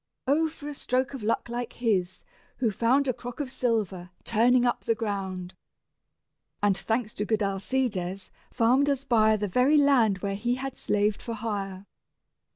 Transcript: O for a stroke of luck like his, who found A crock of silver, turning up the ground, And, thanks to good Alcides, farmed as buyer The very land where he had slaved for hire!"